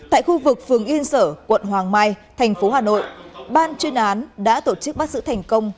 tại khu vực phường yên sở quận hoàng mai thành phố hà nội ban chuyên án đã tổ chức bắt giữ thành công